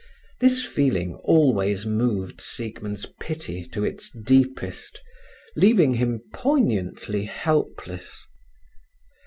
This feeling always moved Siegmund's pity to its deepest, leaving him poignantly helpless.